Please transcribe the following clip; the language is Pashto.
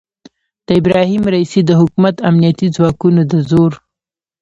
د ابراهیم رئیسي د حکومت امنیتي ځواکونو د زور